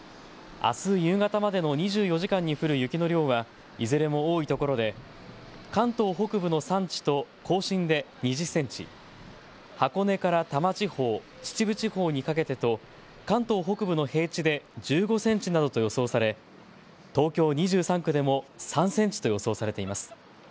あす夕方までの２４時間に降る雪の量はいずれも多いところで関東北部の山地と甲信で２０センチ、箱根から多摩地方、秩父地方にかけてと関東北部の平地で１５センチなどと予想され東京２３区でも３センチと予想されています。